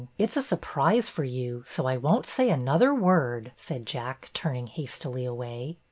It 's a surprise for you, so I won't say another word," said Jack, turning hastily away.